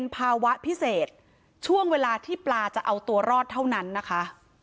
ภาวะพิเศษช่วงเวลาที่ปลาจะเอาตัวรอดเท่านั้นนะคะ